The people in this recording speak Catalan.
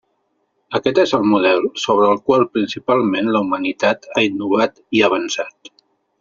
Aquest és el model sobre el qual principalment la humanitat ha innovat i avançat.